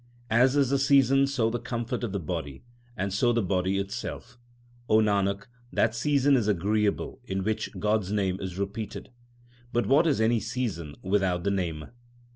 As is the season so the comfort of the body, and so the body itself. 1 Nanak, that season is agreeable in which God s name is repeated ; but what is any season without the Name